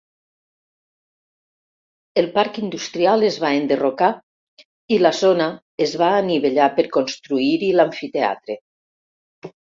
El parc industrial es va enderrocar i la zona es va anivellar per construir-hi l'amfiteatre.